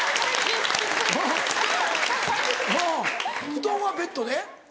布団はベッドで？